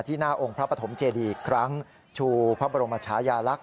หน้าองค์พระปฐมเจดีอีกครั้งชูพระบรมชายาลักษ